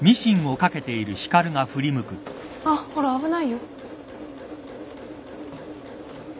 あっほら危ないよ。